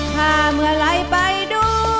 ค่าเมื่อไรไปดู